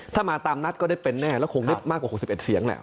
ถ้ามาตามนัดก็ได้เป็นแน่แล้วคงได้มากกว่า๖๑เสียงแหละ